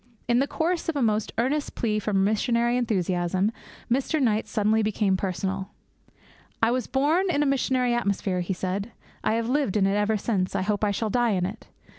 In the course of a most earnest plea for missionary enthusiasm, Mr. Knight suddenly became personal. 'I was born in a missionary atmosphere,' he said. 'I have lived in it ever since; I hope I shall die in it.